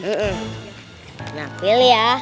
nah pilih ya